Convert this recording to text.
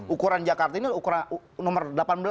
ukuran jakarta ini ukuran nomor delapan belas